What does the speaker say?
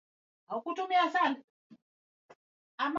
ya mwaka elfu moja mia tisa themanini na nane hadi mwaka elfu moja mia